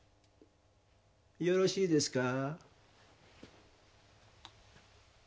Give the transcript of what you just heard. よろしいですか？